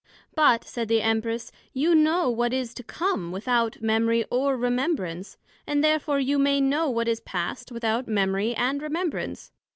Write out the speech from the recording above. But, said the Empress, you know what is to come, without Memory or Remembrance; and therefore you may know what is past without memory and remembrance.